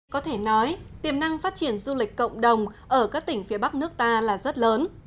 có thể nói tiềm năng phát triển du lịch cộng đồng ở các tỉnh phía bắc nước ta là rất lớn